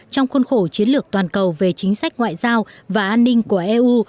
trong khuôn khổ chiến lược toàn cầu về chính sách ngoại giao và an ninh của eu